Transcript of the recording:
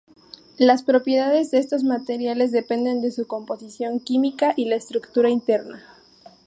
Las propiedades de estos materiales dependen de su composición química y la estructura interna.